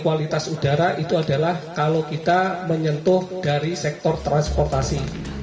kualitas udara itu adalah kalau kita menyentuh dari sektor transportasi